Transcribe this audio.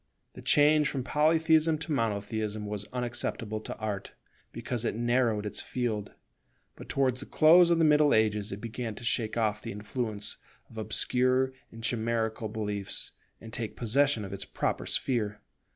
The change from Polytheism to Monotheism was unacceptable to Art, because it narrowed its field; but towards the close of the Middle Ages it began to shake off the influence of obscure and chimerical beliefs, and take possession of its proper sphere.